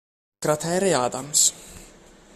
Cratere Adams